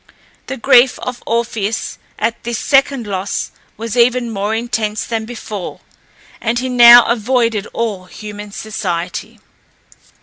The grief of Orpheus at this second loss was even more intense than before, and he now avoided all human society.